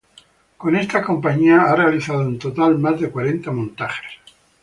Con esta compañía ha realizado en total más de cuarenta montajes.